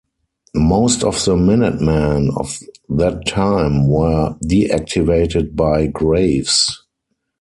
Most of the Minutemen of that time were "deactivated" by Graves.